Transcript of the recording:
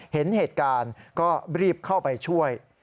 เห็นเหตุการณ์ก็รีบเข้าไปช่วย